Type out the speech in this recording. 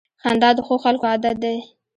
• خندا د ښو خلکو عادت دی.